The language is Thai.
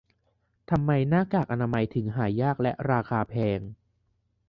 ทำไมหน้ากากอนามัยถึงหายากและราคาแพง